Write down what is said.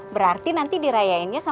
berarti nanti dirayainya sama teman yang lain